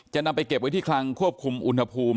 นำไปเก็บไว้ที่คลังควบคุมอุณหภูมิ